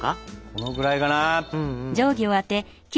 このくらいかな？